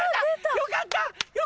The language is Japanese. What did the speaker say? よかった！